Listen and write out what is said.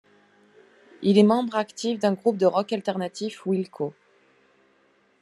Il est un membre actif du groupe de rock alternatif Wilco.